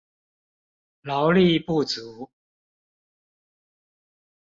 勞力不足